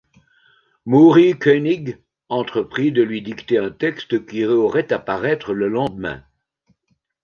Moori Koenig entreprit de lui dicter un texte qui aurait à paraître le lendemain.